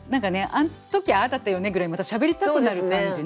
「あん時ああだったよね」ぐらいまたしゃべりたくなる感じの。